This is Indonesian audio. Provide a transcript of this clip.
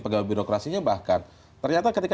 pegawai birokrasinya bahkan ternyata ketika